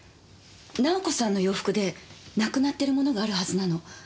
直子さんの洋服でなくなってる物があるはずなの。